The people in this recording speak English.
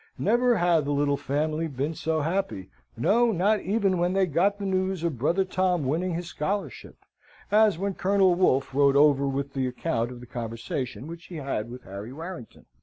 Never had the little family been so happy no, not even when they got the news of Brother Tom winning his scholarship as when Colonel Wolfe rode over with the account of the conversation which he had with Harry Warrington.